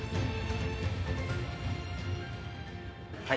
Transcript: はい。